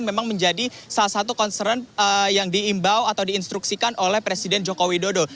memang menjadi salah satu concern yang diimbau atau diinstruksikan oleh presiden joko widodo